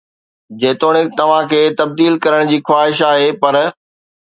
جيتوڻيڪ توهان کي تبديل ڪرڻ جي خواهش آهي، پر